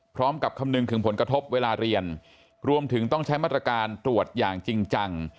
คำนึงถึงผลกระทบเวลาเรียนรวมถึงต้องใช้มาตรการตรวจอย่างจริงจัง